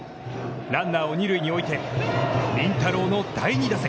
ランナーを二塁に置いて、麟太郎の第２打席。